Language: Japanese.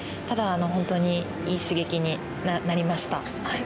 ただ本当にいい刺激になりました。